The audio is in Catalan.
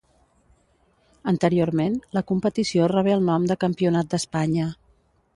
Anteriorment, la competició rebé el nom de Campionat d'Espanya.